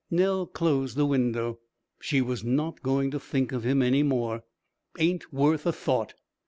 Nell closed the window. She was not going to think of him any more. "Ain't worth a thought."